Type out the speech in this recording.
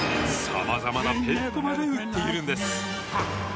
様々なペットまで売っているんです。